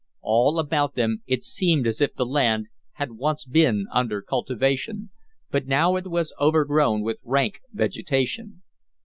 All about them it seemed as if the land had once been under cultivation; but now it was overgrown with rank vegetation.